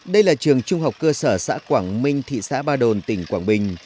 đây là trường trung học cơ sở xã quảng minh thị xã ba đồn tỉnh quảng bình